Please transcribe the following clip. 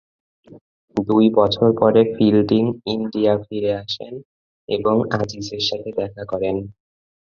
দুই বছর পরে ফিল্ডিং ইন্ডিয়া ফিরে আসেন এবং আজিজের সাথে দেখা করেন।